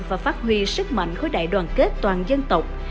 và phát huy sức mạnh khối đại đoàn kết toàn dân tộc